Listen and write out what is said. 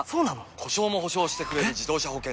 故障も補償してくれる自動車保険といえば？